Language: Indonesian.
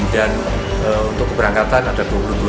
dan untuk keberangkatan ada dua puluh dua